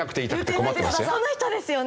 この人ですよね？